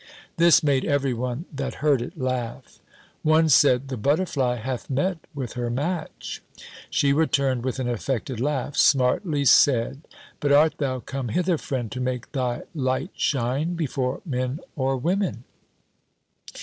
This made every one that heard it laugh. One said, the butterfly hath met with her match. She returned, with an affected laugh, "Smartly said! But art thou come hither, friend, to make thy light shine before men or women?"